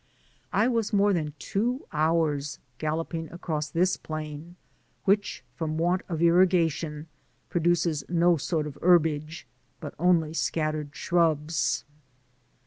I was more than two hours galloping across this plain, which, from want of irrigation, produces no sort of herbage, but only scattered shrubs.